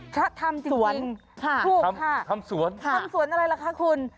พระธรรมจริงพูดค่ะเพราะค่ะทำสวนอะไรล่ะคะคุณ